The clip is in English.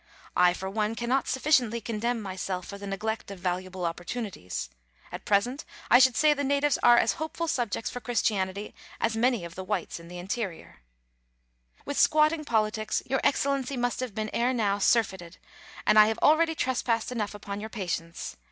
I, for one, cannot sufficiently condemn myself for the neglect of valuable opportunities. At present I should say the natives are as hopeful subjects for Chris tianity as many of the whites in the interior. Letters from Victorian Pioneers. 227 With squatting politics Your Excellency must have been ere now surfeited, and I have already trespassed enough upon your patience.